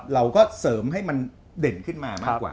เราก็เสริมให้มันเด่นขึ้นมามากกว่า